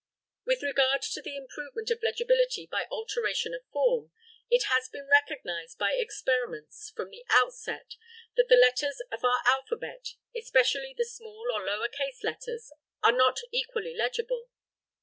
With regard to the improvement of legibility by alteration of form, it has been recognized by experiments from the outset that the letters of our alphabet, especially the small, or "lower case" letters, are not equally legible.